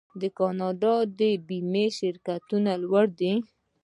د کاناډا بیمې شرکتونه لوی دي.